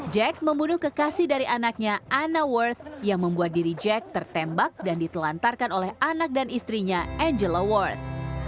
jack membunuh kekasih dari anaknya anna worth yang membuat diri jack tertembak dan ditelantarkan oleh anak dan istrinya angela world